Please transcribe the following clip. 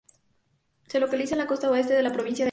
Se localiza en la costa oeste de la provincia de Aceh.